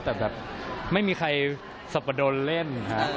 แต่แบบไม่มีใครสัปดนตร์เล่นค่ะ